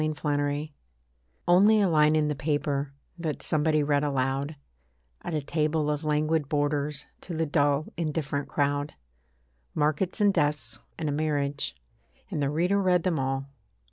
ONLY A LINE Only a line in the paper, That somebody read aloud, At a table of languid boarders, To the dull indifferent crowd. Markets and deaths and a marriage: And the reader read them all.